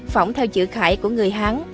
phỏng theo chữ khải của người hán